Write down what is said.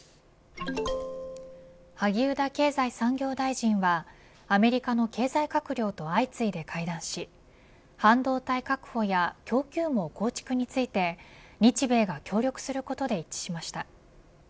萩生田経済産業大臣はアメリカの経済閣僚と相次いで会談し半導体確保や供給網構築について日米が協力することで一致しました。